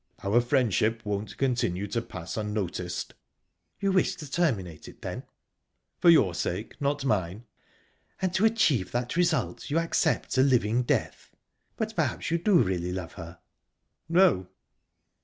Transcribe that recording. Our friendship won't continue to pass unnoticed." "You wish to terminate it, then?" "For your sake; not mine." "And to achieve that result you accept a living death?...But perhaps you do really love her?" "No."